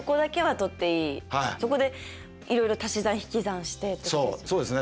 そこでいろいろ足し算引き算してって感じですよね。